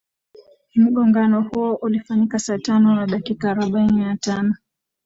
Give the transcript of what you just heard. mgongano huo ulifanyika saa tano na dakika arobaini na tano